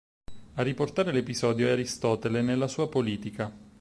A riportare l'episodio è Aristotele, nella sua "Politica".